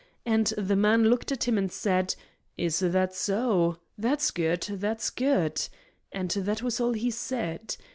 And the man looked at him and said: 'Is that so? That's good that's good;' and that was all he said.